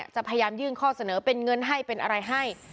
จะพยายามยื่นข้อเสนอเป็นเงินให้เป็นอะไรให้